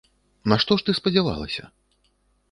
На што ж ты спадзявалася?